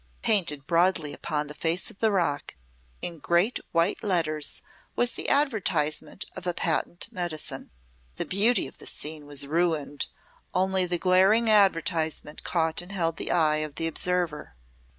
Painted broadly upon the face of the rock, in great white letters, was the advertisement of a patent medicine. The beauty of the scene was ruined only the glaring advertisement caught and held the eye of the observer.